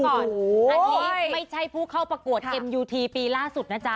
อันนี้ไม่ใช่ผู้เข้าประกวดเอ็มยูทีปีล่าสุดนะจ๊